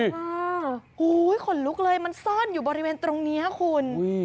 โอ้โหขนลุกเลยมันซ่อนอยู่บริเวณตรงนี้คุณ